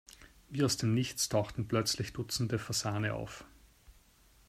Wie aus dem Nichts tauchten plötzlich dutzende Fasane auf.